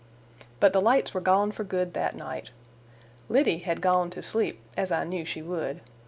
But the lights were gone for good that night. Liddy had gone to sleep, as I knew she would.